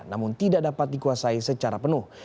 namun tidak dapat dikuasai secara penuh